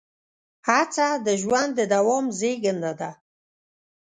هڅه د ژوند د دوام زېږنده ده.